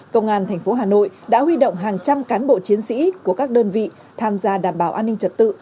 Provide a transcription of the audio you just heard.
công an tp hà nội đã huy động hàng trăm cán bộ chiến sĩ của các đơn vị tham gia đảm bảo an ninh trật tự